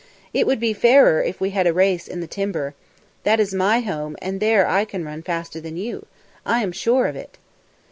It would be fairer if we had a race in the timber. That is my home, and there I can run faster than you. I am sure of it."